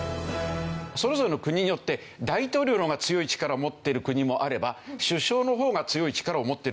それぞれの国によって大統領の方が強い力を持っている国もあれば首相の方が強い力を持っている国があるんですよ。